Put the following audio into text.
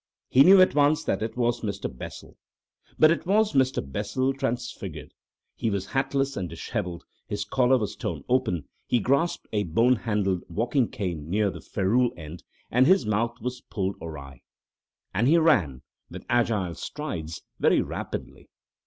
He knew at once that it was Mr. Bessel. But it was Mr. Bessel transfigured. He was hatless and dishevelled, his collar was torn open, he grasped a bone handled walking cane near the ferrule end, and his mouth was pulled awry. And he ran, with agile strides, very rapidly.